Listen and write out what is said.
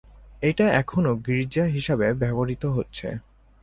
এটা এখনো গীর্জা হিসেবে ব্যবহৃত হচ্ছে।